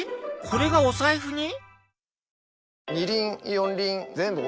これがお財布に？